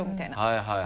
はいはい。